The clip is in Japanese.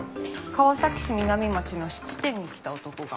川崎市南町の質店に来た男が。